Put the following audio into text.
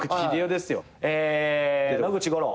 野口五郎。